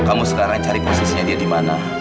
kamu sekarang cari posisinya dia di mana